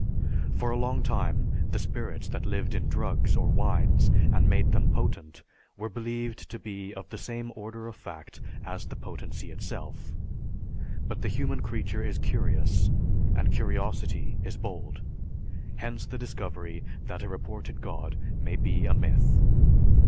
For a long time the spirits that lived in drugs or wines and made them potent were believed to be of the same order of fact as the potency itself. But the human creature is curious and curiosity is bold. Hence, the discovery that a reported god may be a myth.